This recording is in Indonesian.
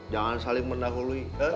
jangan saling mendahului